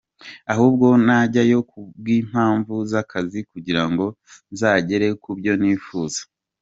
Ahubwo najyayo kubw’impamvu z’akazi kugira ngo nzagere ku byo nifuza.